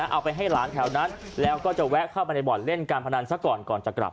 เอาไปให้หลานแถวนั้นแล้วก็จะแวะเข้ามาในบ่อนเล่นการพนันซะก่อนก่อนจะกลับ